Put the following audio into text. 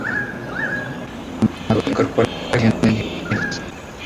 A pesar de la gravedad del tema tratado, incorpora expresiones ingeniosas.